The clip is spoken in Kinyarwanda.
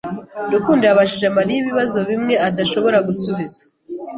Rukundo yabajije Mariya ibibazo bimwe adashobora gusubiza.